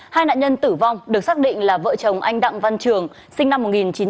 hai nạn nhân tử vong được xác định là vợ chồng anh đặng văn trường sinh năm một nghìn chín trăm tám mươi